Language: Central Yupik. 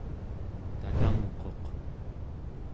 tatangquq